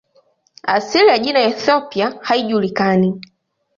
Asili ya jina "Ethiopia" haijulikani.